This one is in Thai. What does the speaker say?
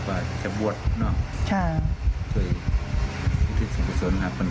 เพราะพ่อเชื่อกับจ้างหักข้าวโพด